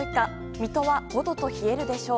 水戸は５度と冷えるでしょう。